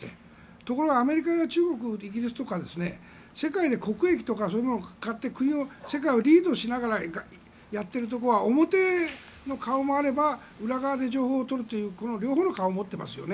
ところが、アメリカや中国イギリスとか世界で、国益とかそういうものを買って世界をリードしながらやっているところは表の顔もあれば裏側で情報を取るというこの両方の顔を持っていますよね。